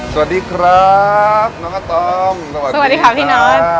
สวัสดีครับน้องอาตอมสวัสดีค่ะพี่นอท